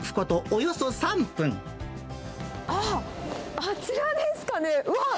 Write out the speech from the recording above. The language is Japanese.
あっ、あちらですかね、うわっ！